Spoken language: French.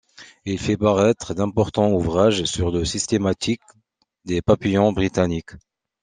Il fait paraître d’importants ouvrages sur la systématique des papillons britanniques.